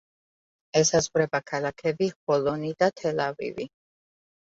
ესაზღვრება ქალაქები ხოლონი და თელ-ავივი.